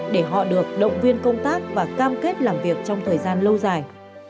để họ được động viên công tác và cam kết làm việc trong thời gian lâu dài